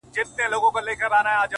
نن دي دواړي سترگي سرې په خاموشۍ كـي’